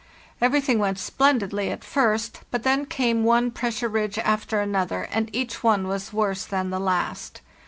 Everything went splendidly at first, but then came one pressure ridge after another, and each one was worse than the last.